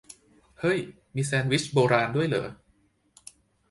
เฮ่ย มีแซนด์วิชโบราณด้วยเหรอ !